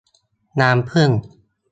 น้ำผึ้ง